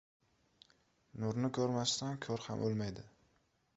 • Nurni ko‘rmasdan ko‘r ham o‘lmaydi.